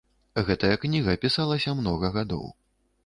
Гэтая кніга пісалася многа гадоў.